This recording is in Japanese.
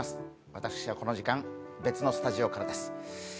私はこの時間、別のスタジオからです。